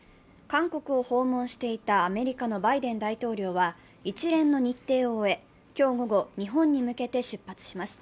韓国を訪問していたアメリカのバイデン大統領は一連の日程を終え、今日午後日本に向けて出発します。